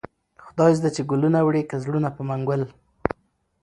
خداى زده چې گلونه وړې كه زړونه په منگل